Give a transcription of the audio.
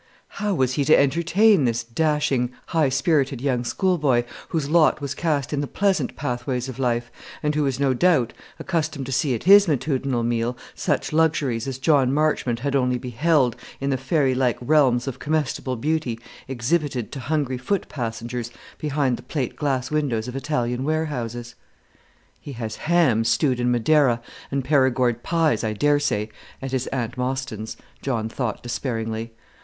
How was he to entertain this dashing, high spirited young schoolboy, whose lot was cast in the pleasant pathways of life, and who was no doubt accustomed to see at his matutinal meal such luxuries as John Marchmont had only beheld in the fairy like realms of comestible beauty exhibited to hungry foot passengers behind the plate glass windows of Italian warehouses? "He has hams stewed in Madeira, and Perigord pies, I dare say, at his Aunt Mostyn's," John thought, despairingly.